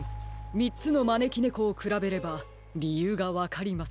みっつのまねきねこをくらべればりゆうがわかります。